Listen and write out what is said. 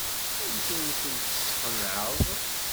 Amek ay ten-tesqenɛeḍ?